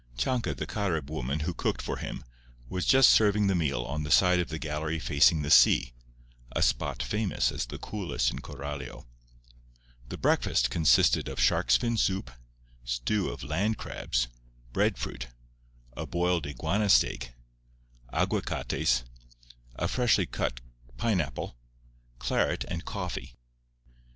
Chanca, the Carib woman who cooked for him, was just serving the meal on the side of the gallery facing the sea—a spot famous as the coolest in Coralio. The breakfast consisted of shark's fin soup, stew of land crabs, breadfruit, a boiled iguana steak, aguacates, a freshly cut pineapple, claret and coffee.